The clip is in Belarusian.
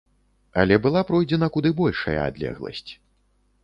Але была пройдзена куды большая адлегласць.